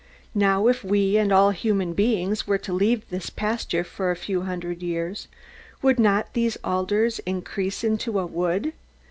Now, if we and all human beings were to leave this pasture for a few hundred years, would not those alders increase into a wood?